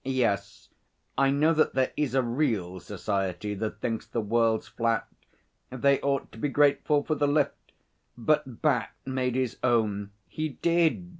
Yes, I know that there is a real Society that thinks the world's flat they ought to be grateful for the lift but Bat made his own. He did!